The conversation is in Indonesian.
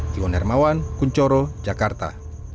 jiwon hermawan kunchoro jakarta